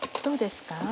どうですか？